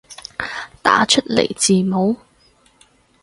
打出來字母